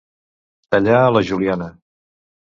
Tallar a la juliana.